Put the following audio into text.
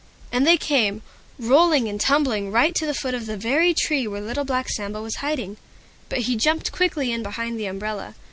And they came, rolling and tumbling right to the foot of the very tree where Little Black Sambo was hiding, but he jumped quickly in behind the umbrella.